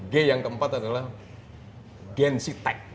g yang keempat adalah gen z tech